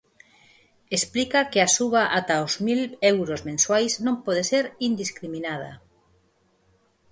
Explica que a suba ata os mil euros mensuais non pode ser 'indiscriminada'.